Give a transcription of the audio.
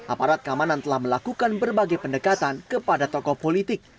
aparat keamanan telah melakukan berbagai pendekatan kepada tokoh politik